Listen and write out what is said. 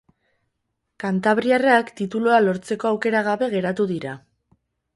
Kantabriarrak titulua lortzeko aukera gabe geratu dira.